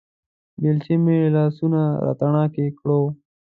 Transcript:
بېلچې مې لاسونه راتڼاکې کړو